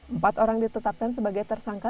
empat orang ditetapkan sebagai tersangka